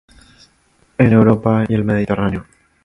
En Europa y el Mediterráneo.